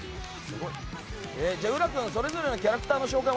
浦君それぞれのキャラクターの紹介